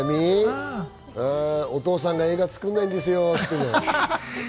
お父さんが映画作んないんですよって。